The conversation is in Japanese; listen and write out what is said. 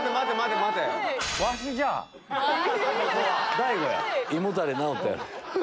大悟や。